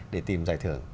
để tìm giải thưởng